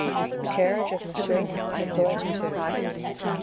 The Carriage of Monsieur le Coadjuteur.